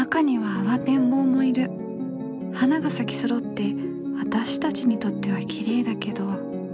花が咲きそろって私たちにとってはきれいだけど。